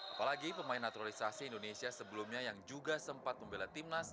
apalagi pemain naturalisasi indonesia sebelumnya yang juga sempat membela timnas